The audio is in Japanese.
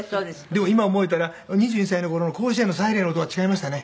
でも今思ったら２１歳の頃の甲子園のサイレンの音が違いましたね。